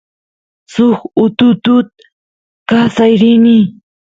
suk ututut kasay rini